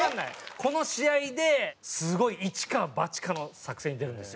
この試合ですごい一か八かの作戦に出るんですよ。